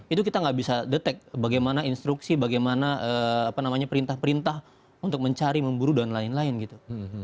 itu kita nggak bisa detect bagaimana instruksi bagaimana perintah perintah untuk mencari memburu dan lain lain gitu